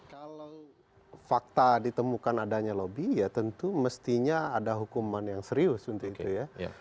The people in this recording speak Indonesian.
kalau fakta ditemukan adanya lobby ya tentu mestinya ada hukuman yang serius untuk itu ya